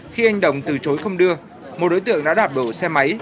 khi anh đồng từ chối không đưa một đối tượng đã đạp đổ xe máy